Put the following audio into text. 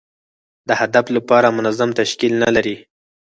د هدف لپاره منظم تشکیل نه لري.